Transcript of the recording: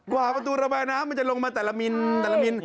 กว่าประตูระบายน้ำมันจะลงมาแต่ละมินแต่ละมิน